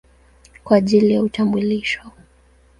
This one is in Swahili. kwa ajili ya utambulisho.